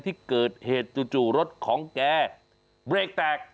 ที่เกิดเหตุจู่รถของแกเบรกแตก